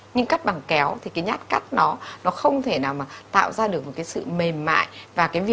nhưng cắt bằng kéo thì cái nhát cắt nó không thể nào tạo ra được sự mềm mại